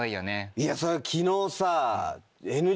いやそれが昨日さ。